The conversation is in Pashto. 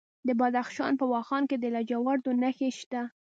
د بدخشان په واخان کې د لاجوردو نښې شته.